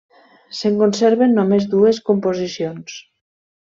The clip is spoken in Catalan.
Se'n conserven només dues composicions.